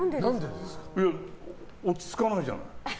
落ち着かないじゃない。